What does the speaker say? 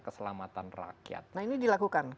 keselamatan rakyat nah ini dilakukan